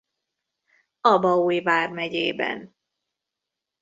Abaúj Vármegyében.